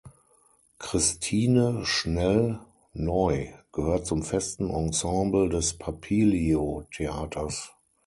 Christine Schnell-Neu gehört zum festen Ensemble des Papilio Theaters.